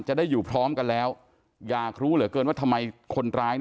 จะได้อยู่พร้อมกันแล้วอยากรู้เหลือเกินว่าทำไมคนร้าย